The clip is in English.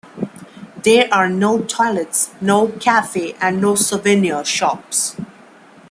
There are no toilets, no cafe and no souvenir shops.